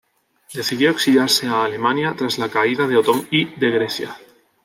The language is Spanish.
Decidió exiliarse a Alemania tras la caída de Otón I de Grecia.